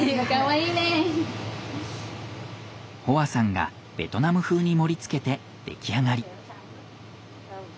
ホアさんがベトナム風に盛りつけて出来上がり。